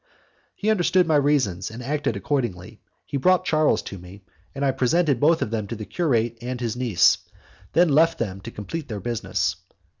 He understood my reasons, and acted accordingly. He brought Charles to me, I presented both of them to the curate and his niece, and then left them to complete their business.